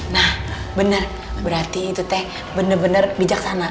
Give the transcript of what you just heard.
nah benar berarti itu teh benar benar bijaksana